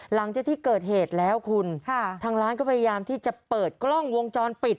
หลังจากที่เกิดเหตุแล้วคุณค่ะทางร้านก็พยายามที่จะเปิดกล้องวงจรปิด